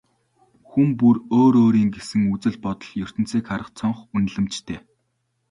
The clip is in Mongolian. Хүн бүр өөр өөрийн гэсэн үзэл бодол, ертөнцийг харах цонх, үнэлэмжтэй.